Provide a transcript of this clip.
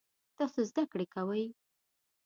تاسو زده کړی کوئ؟